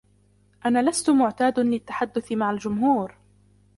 أنا لست معتاد لتحدث مع الجمهور